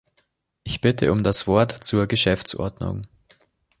Ich bitte um das Wort zur Geschäftsordnung.